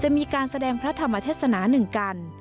มีการแสดงพระธรรมเทศนาหนึ่งกัน